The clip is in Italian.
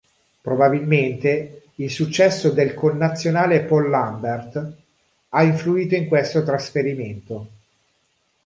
Probabilmente, il successo del connazionale Paul Lambert ha influito in questo trasferimento.